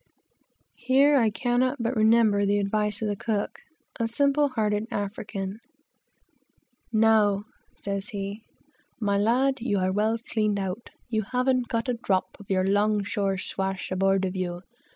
Here I cannot but remember the advice of the cook, a simple hearted African. "Now," says he, "my lad, you are well cleaned out; you haven't got a drop of your 'long shore swash aboard of you.